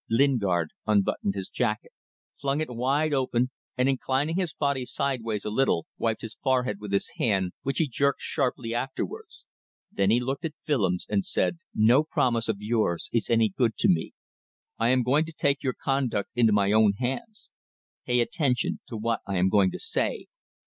Lingard unbuttoned his jacket, flung it wide open and, inclining his body sideways a little, wiped his forehead with his hand, which he jerked sharply afterwards. Then he looked at Willems and said "No promise of yours is any good to me. I am going to take your conduct into my own hands. Pay attention to what I am going to say.